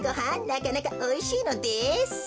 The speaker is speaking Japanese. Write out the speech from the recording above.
なかなかおいしいのです。